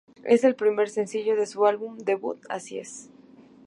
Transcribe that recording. Es el primer sencillo de su álbum debut "Así es".